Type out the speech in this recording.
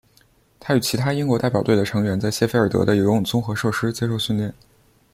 他与其他英国代表队的成员在谢菲尔德的的游泳综合设施接受训练。